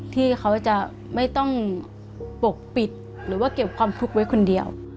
ที่เขาจะไม่ต้องปกปิดหรือว่าเก็บความทุกข์ไว้คนเดียว